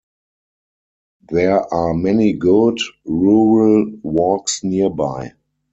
There are many good, rural walks nearby.